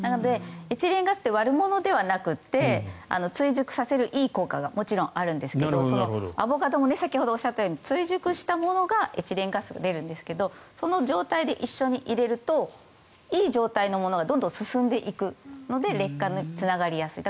エチレンガスって悪者ではなくて追熟させるいい効果がもちろんあるんですがアボカドも先ほどおっしゃったように追熟したものがエチレンガスが出るんですがその状態で一緒に入れるといい状態のものがどんどん進んでいくので劣化につながりやすい。